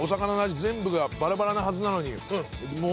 全部がばらばらなはずなのに。